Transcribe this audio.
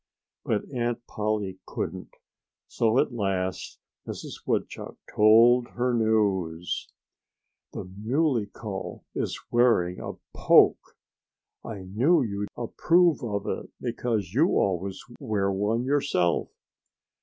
But Aunt Polly couldn't. So at last Mrs. Woodchuck told her the news: "The Muley Cow is wearing a poke! I knew you'd approve of it, because you always wear one yourself."